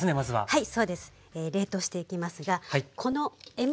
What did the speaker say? はい。